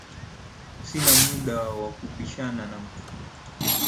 Sina muda wa kubishana na mtu